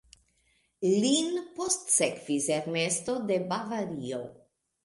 Lin postsekvis Ernesto de Bavario.